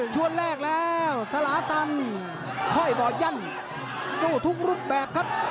ชวนแรกแล้วสลาตันค่อยบ่อยั่นสู้ทุกรูปแบบครับ